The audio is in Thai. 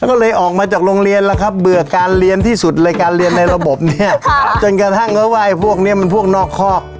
ก็เลยออกมาจากโรงเรียนแล้วครับเบื่อการเรียนที่สุดเลยการเรียนในระบบเนี่ยจนกระทั่งเขาว่าไอ้พวกนี้มันพวกนอกคอก